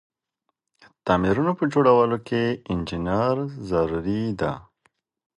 تعميرونه په جوړولو کی انجنیر ضروري ده.